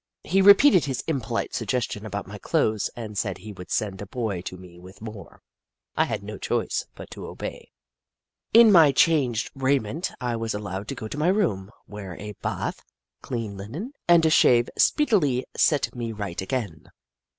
He repeated his impolite sug gestion about my clothes and said he would send a boy to me with more. I had no choice but to obey. In my changed raiment I was allowed to go to my room, where a bath, clean linen, and a shave speedily set me right again.